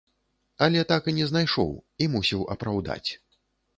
Але так і не знайшоў, і мусіў апраўдаць.